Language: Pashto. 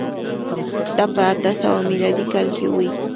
دا په اته سوه میلادي کال کي و.